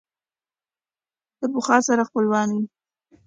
له پخوا سره خپلوان وي